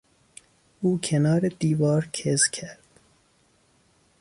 او کنار دیوار کز کرد.